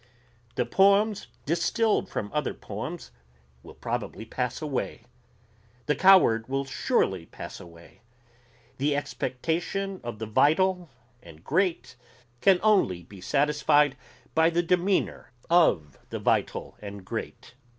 The poems distilled from other poems will probably pass away. The coward will surely pass away. The expectation of the vital and great can only be satisfied by the demeanor of the vital and great.